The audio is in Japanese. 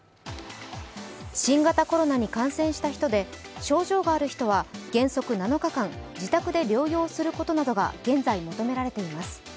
新型コロナに感染した人で症状がある人は原則７日間、自宅で療養することなどが現在求められています。